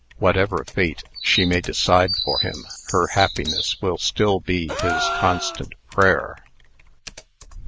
Whatever fate she may decide for him, her happiness will still be his constant prayer."